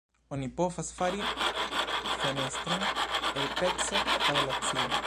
Oni povas fari fenestron el peco da glacio.